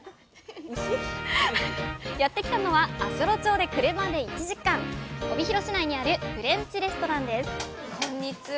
やって来たのは足寄町で車で１時間帯広市内にあるフレンチレストランですこんにちは。